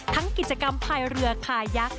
ทั้งกิจกรรมพายเรือพายักษ์